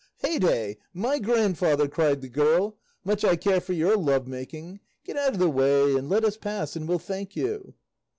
"Hey day! My grandfather!" cried the girl, "much I care for your love making! Get out of the way and let us pass, and we'll thank you."